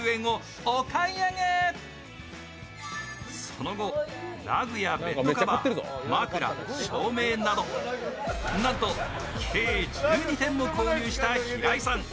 その後、ラグやベッドカバー、枕照明など、なんと計１２点を購入した平井さん。